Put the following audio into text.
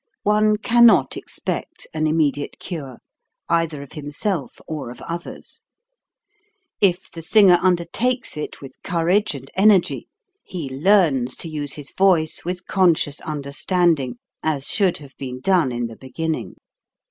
One cannot expect an imme diate cure, either of himself or of others. If the singer undertakes it with courage and energy, he learns to use his voice with con scious understanding, as should have been done in the beginning.